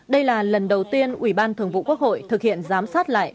đây là lần đầu tiên ủy ban thường vụ quốc hội thực hiện giám sát lại